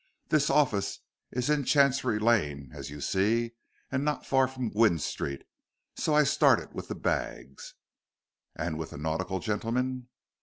This office is in Chancery Lane, as you see, and not far from Gwynne Street, so I started with the bags." "And with the nautical gentleman?"